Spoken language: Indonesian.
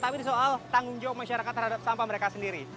tapi di soal tanggung jawab masyarakat terhadap sampah mereka sendiri